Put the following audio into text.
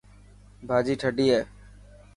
ڀاڄي ٿدي هي.